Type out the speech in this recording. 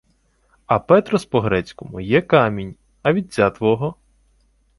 — А «петрос» по-грецькому є камінь. А вітця твого?